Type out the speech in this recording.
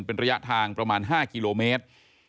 เป็นระยะทางประมาณ๕กิโลเมตร